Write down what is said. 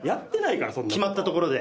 決まったところで。